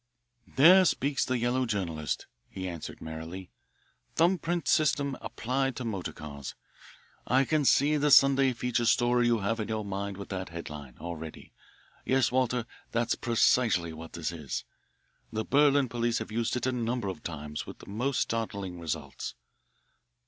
"There speaks the yellow journalist," he answered merrily. "'Thumb Print System Applied to Motor Cars' I can see the Sunday feature story you have in your mind with that headline already. Yes, Walter, that's precisely what this is. The Berlin police have used it a number of times with the most startling results."